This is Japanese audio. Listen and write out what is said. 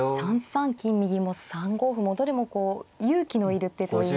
３三金右も３五歩もどれもこう勇気のいる手といいますか。